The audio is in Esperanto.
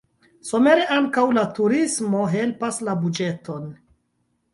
Somere ankaŭ la turismo helpas la buĝeton.